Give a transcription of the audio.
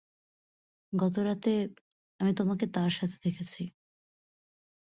গতরাতে, আমি তোমাকে তার সাথে দেখেছি।